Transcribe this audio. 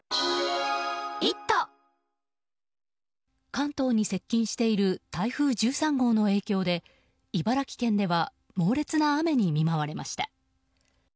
関東に接近している台風１３号の影響で茨城県では猛烈な雨に見舞われました。